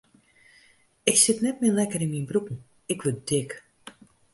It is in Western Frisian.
Ik sit net mear lekker yn myn broeken, ik wurd dik.